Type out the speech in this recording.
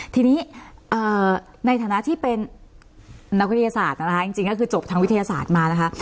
ทีนี้ในฐานะที่เป็นนักวิทยาศาสตร์นะคะจริงก็คือจบทางวิทยาศาสตร์มานะคะ